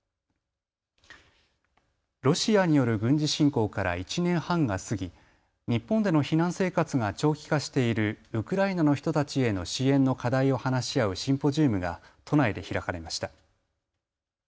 ロシアによる軍事侵攻から１年半が過ぎ、日本での避難生活が長期化しているウクライナの人たちへの支援の課題を話し合うシンポジウムが都内で開かれました。